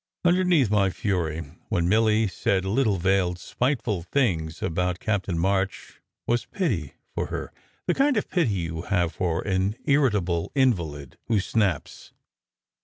Underneath my fury, when Milly said little veiled, spiteful things about Captain March, was pity for her, the kind of pity you have for an irritable invalid who snaps.